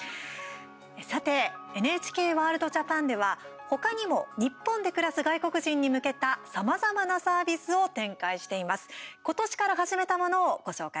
さてＮＨＫワールドＪＡＰＡＮでは他にも日本で暮らす外国人に向けたさまざまなサービスを展開しています。